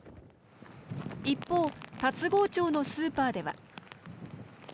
一方、龍郷町のスーパーでは。